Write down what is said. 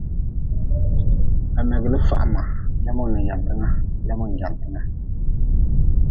Ba megli fahma lemu n jantnga lemu n jantnga.